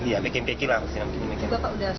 ya mekin mekin lah